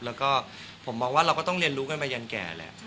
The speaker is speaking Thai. แล้วก็ผมมองว่าเราก็ต้องเรียนรู้กันไปยันแก่แหละ